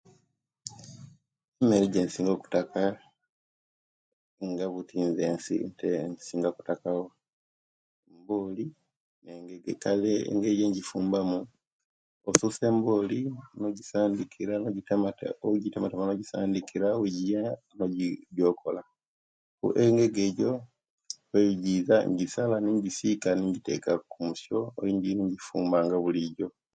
Emere ejensinga okutaka nga buti nze nsinga kutaka mbooli ne engege kale engeri jenjifumbamu osusa emboli nojisandikira notandika okujitematema no jisandikira owejiya nojidiokola engege ejo owejiza injisala ni njisiika ne njitekaku ku musyo ne'njifumba nga bulijo